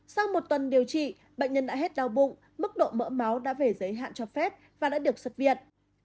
sau một tuần điều trị bệnh nhân đã hết đau bụng mức độ mỡ máu đã về giới hạn cho phép và đã được xuất viện